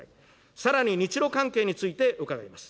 さらに日ロ関係について、伺います。